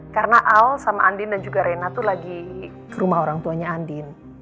karena al sama andin dan juga rena tuh lagi ke rumah orangtuanya andin